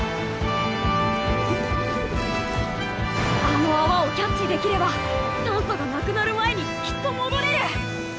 あの泡をキャッチできれば酸素がなくなる前にきっと戻れる！